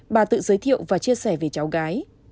bà tự giới thiệu và chia sẻ về cháu gái